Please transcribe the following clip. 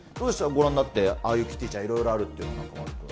ご覧になって、ああいうキティちゃん、いろいろあるっていうの、中丸さん。